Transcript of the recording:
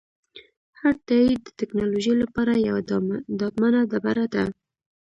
هر تایید د ټکنالوژۍ لپاره یوه ډاډمنه ډبره ده.